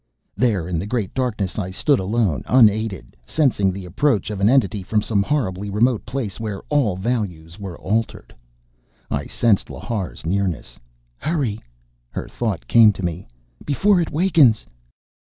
There in the great darkness I stood alone, unaided, sensing the approach of an entity from some horribly remote place where all values were altered. I sensed Lhar's nearness. "Hurry!" her thought came to me. "Before it wakens!"